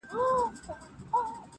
• خدایه مور مه کړې پر داسي جانان بوره -